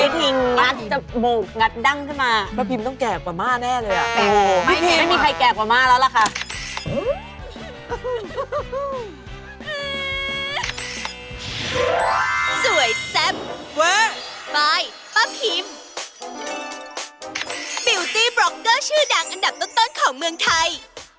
ฟิวตี้บล็อกเกอร์ชื่อดังอันดับต้นของเมืองไทย